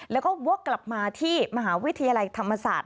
แล้วก็วกกลับมาที่มหาวิทยาลัยธรรมศาสตร์